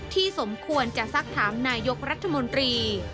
สมควรจะสักถามนายกรัฐมนตรี